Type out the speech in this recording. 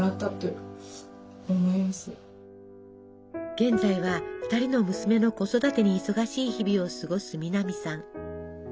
現在は２人の娘の子育てに忙しい日々を過ごす南さん。